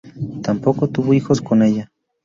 Tampoco tuvo hijos con ella.